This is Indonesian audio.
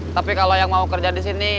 tapi kalau yang mau kerja di sini